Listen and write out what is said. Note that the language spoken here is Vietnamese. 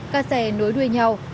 các xe nối đuôi nhau